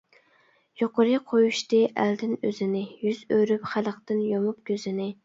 يۇقىرى قويۇشتى ئەلدىن ئۆزىنى، يۈز ئۆرۈپ خەلقتىن، يۇمۇپ كۆزىنى.